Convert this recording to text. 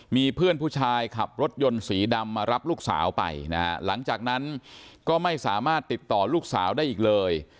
มีเพื่อนผู้ชายขับรถยนต์สีดำมารับลูกสาวไปนะฮะหลังจากนั้นก็ไม่สามารถติดต่อลูกสาวได้อีกเลย